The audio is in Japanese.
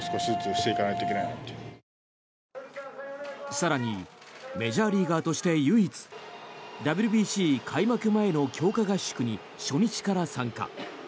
更にメジャーリーガーとして唯一ＷＢＣ開幕前の強化合宿に初日から参加。